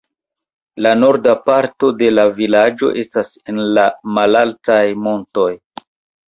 La norda parto de la vilaĝo estas en la malaltaj montoj.